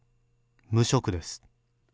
無職です。